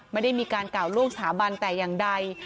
ไม่ได้มีการกล่าวล่วงสถาบันแต่อย่างใด